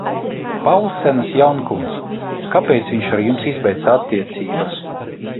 Paulsenas jaunkundz, kāpēc viņš ar jums izbeidza attiecības?